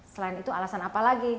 selain itu alasan apa lagi